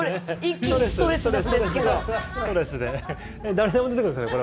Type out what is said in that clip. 誰でも出てくるんですよね